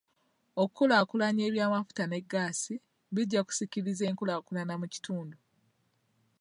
Okulaakulanya eby'amafuta ne gaasi bijja kusikiriza enkulakulana mu kitundu.